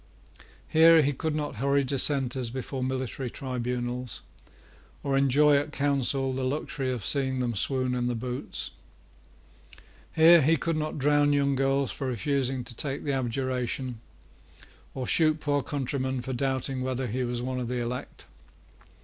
Here he could not hurry Dissenters before military tribunals, or enjoy at Council the luxury of seeing them swoon in the boots. Here he could not drown young girls for refusing to take the abjuration, or shoot poor countrymen for doubting whether he was one of the elect.